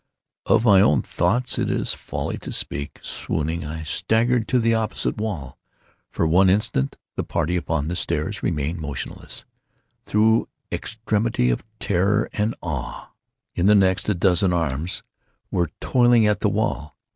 Of my own thoughts it is folly to speak. Swooning, I staggered to the opposite wall. For one instant the party upon the stairs remained motionless, through extremity of terror and of awe. In the next, a dozen stout arms were toiling at the wall.